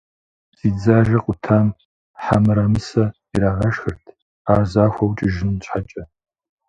Зи дзажэ къутам хьэ мырамысэ ирагъэшхырт, ар захуэу кӏыжын щхьэкӏэ.